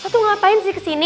patung ngapain sih kesini